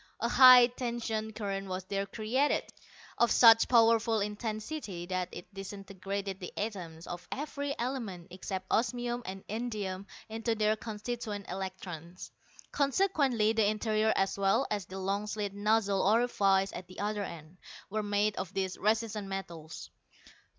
A high tension current was there created, of such powerful intensity that it disintegrated the atoms of every element except osmium and indium into their constituent electrons. Consequently the interior as well as the long slit nozzle orifice at the other end, were made of these resistant metals.